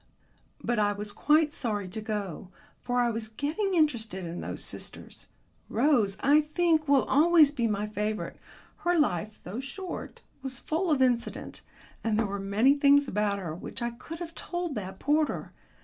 But I was quite sorry to go, for I was getting interested in those sisters. Rose, I think, will always be my favourite. Her life, though short, was full of incident, and there were many things about her which I could have told that porter.